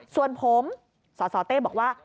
ส่วนผมสสเต้บอกว่า